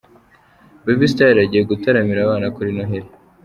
Baby Style agiye gutaramira abana kuri Noheli.